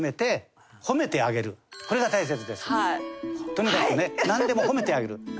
とにかくねなんでも褒めてあげる。